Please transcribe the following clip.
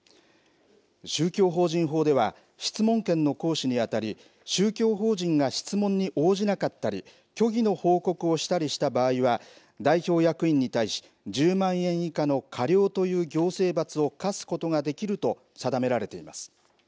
宗教法人法では、質問権の行使にあたり、宗教法人が質問に応じなかったり、虚偽の報告をしたりした場合は、代表役員に対し、１０万円以下の過料という行政罰を科すことができると定められています。